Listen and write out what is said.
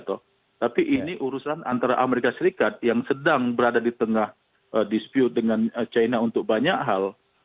tapi ini urusan antara amerika serikat yang sedang berada di tengah dispute dengan china untuk banyak hal